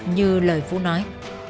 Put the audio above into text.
như lời phú nói